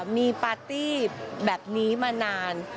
มีปาร์ตี้แบบนี้มานาน